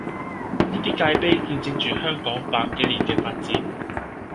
呢啲界碑見證住香港百幾年嘅發展